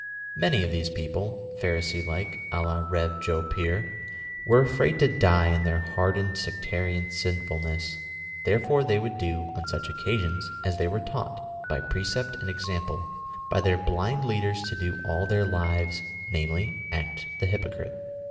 Many of these people, y)harisee like— <J la Rev. Joe Pier — were af rnid to die in their hardened sectarian sinfulness ; there fore tliey would do, on such occasions, as they were taught, by precept and example, by their blind leaders to do all their lives, namely : act the hypocrite.